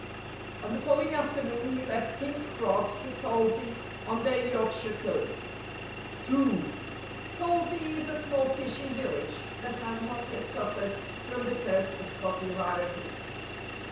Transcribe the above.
On the following afternoon he left King's Cross for Salsay on the Yorkshire coast. II Salsay is a small fishing village that has not yet suffered from the curse of popularity.